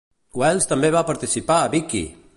Wells també va participar a Vicki!